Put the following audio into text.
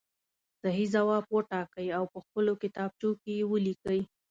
صحیح ځواب وټاکئ او په خپلو کتابچو کې یې ولیکئ.